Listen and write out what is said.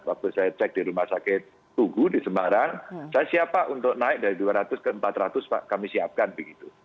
waktu saya cek di rumah sakit tugu di semarang saya siap pak untuk naik dari dua ratus ke empat ratus pak kami siapkan begitu